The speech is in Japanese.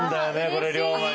これ龍馬に。